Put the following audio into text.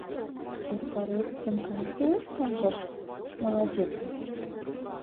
У старэцкім канцу, кажаш, маладзіца?